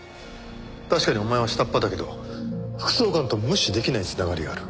確かにお前は下っ端だけど副総監と無視出来ない繋がりがある。